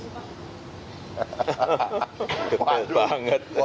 konteksnya itu masukannya apa aja sih pak